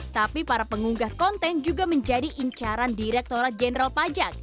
tapi para pengunggah konten juga menjadi incaran direkturat jenderal pajak